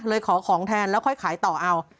เลยขอของแทนแล้วค่อยขายต่อเอา